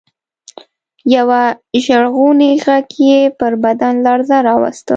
يوه ژړغوني غږ يې پر بدن لړزه راوسته.